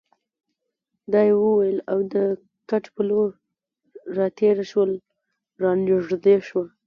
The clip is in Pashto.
دا یې وویل او د کټ په لور راتېره شول، را نږدې شوه.